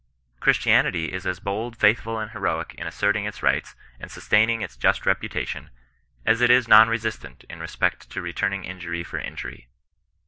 Christianity is as bold, faithful, and heroic, in asserting its rights, and sustaining its just reputation, as it is non resistant in respect to re turning injury for injury.